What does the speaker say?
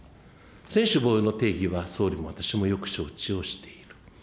専守防衛の定義は総理も私もよく承知をしている。